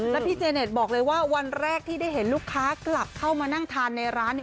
แล้วพี่เจเน็ตบอกเลยว่าวันแรกที่ได้เห็นลูกค้ากลับเข้ามานั่งทานในร้านเนี่ย